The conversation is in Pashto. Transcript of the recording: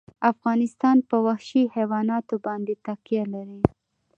افغانستان په وحشي حیوانات باندې تکیه لري.